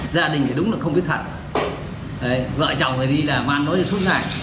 gia đình thì đúng là không biết thật vợ chồng thì đi làm mạng nối suốt ngày